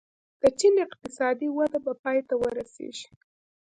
د چین اقتصادي وده به پای ته ورسېږي.